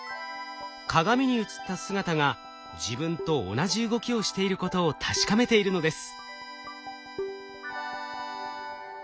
鏡に映った姿が自分と同じ動きをしていることを確かめているのです。